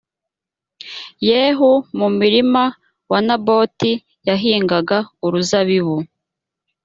yehu mu murima wa naboti yahingaga uruzabibu